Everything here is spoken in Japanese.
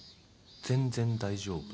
全然大丈夫。